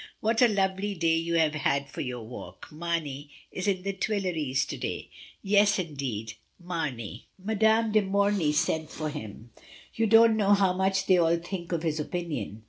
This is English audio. What a lovely day you have had for your walk! Mamey is at the Tuileries to day. Yes, indeed, M. I20 MRS. DYMOND. de Morny sent for him. You don't know how much they all think of his opinion.